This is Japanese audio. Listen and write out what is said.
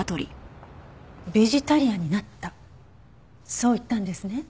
そう言ったんですね？